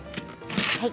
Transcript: はい。